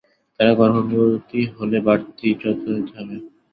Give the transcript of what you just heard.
তারা গর্ভবতী হলে বাড়তি যত্ন নিতে হবে।